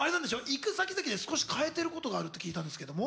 行く先々で少し変えていることがあると聞いたんですけども。